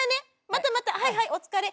またまたはいはいお疲れ